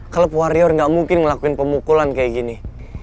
kelab warrior gak mungkin ngelakuin pemukulan kayak gini